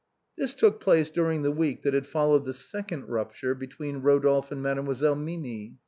This took place during the week that had followed the second rupture between Eodolphe and Mademoiselle Mimi.